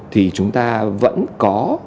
thì chúng ta vẫn có